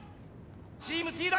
チームＴ大。